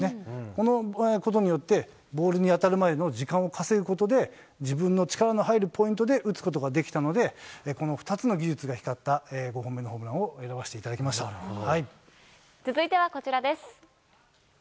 このことによって、ボールに当たる前の時間を稼ぐことで、自分の力の入るポイントで打つことができたので、この２つの技術が光った５本目のホームランを選ばせていただきま続いてはこちらです。